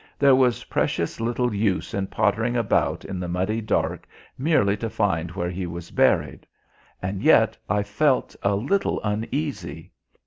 There was precious little use in pottering about in the muddy dark merely to find where he was buried. And yet I felt a little uneasy.